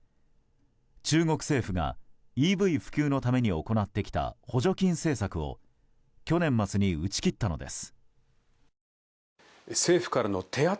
中国政府がＥＶ普及のために行ってきた補助金政策を去年末に打ち切ったのです。